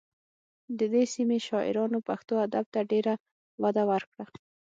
د دې سیمې شاعرانو پښتو ادب ته ډېره وده ورکړه